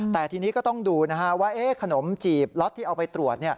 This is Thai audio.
แต่ทีนี้ก็ต้องดูว่าขนมจีบล็อตที่เอาไปตรวจ